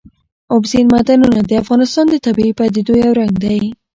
اوبزین معدنونه د افغانستان د طبیعي پدیدو یو رنګ دی.